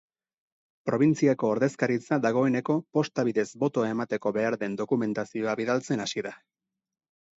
Probintziako ordezkaritza dagoeneko posta bidez botoa emateko behar den dokumentazioa bidaltzen hasi da.